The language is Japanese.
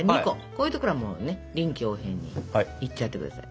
こういうところはもうね臨機応変にいっちゃってください。